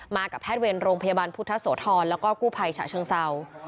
กับแพทย์เวรโรงพยาบาลพุทธโสธรแล้วก็กู้ภัยฉะเชิงเศร้า